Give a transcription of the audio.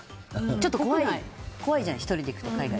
ちょっと怖いじゃん１人で行くと。